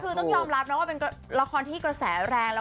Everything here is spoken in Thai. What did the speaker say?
คือต้องยอมรับนะว่าเป็นละครที่กระแสแรงแล้ว